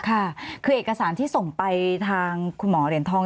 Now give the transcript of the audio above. ค่ะคือเอกสารที่ส่งไปทางคุณหมอเหรียญทอง